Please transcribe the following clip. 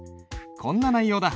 こんな内容だ。